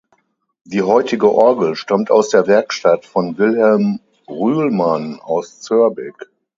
Die heutige Orgel stammt aus der Werkstatt von Wilhelm Rühlmann aus Zörbig.